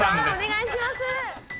お願いします！